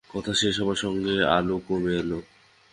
কথা শেষ হবার সঙ্গে আলো কমে এল!